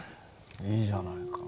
いいじゃないか。